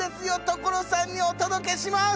所さんにお届けします！